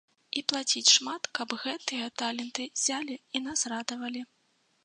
І плаціць шмат, каб гэтыя таленты ззялі і нас радавалі.